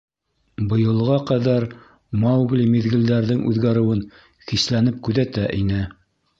Быйылға ҡәҙәр Маугли миҙгелдәрҙең үҙгәреүен хисләнеп күҙәтә ине.